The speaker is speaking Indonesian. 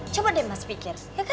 coba deh mas pikir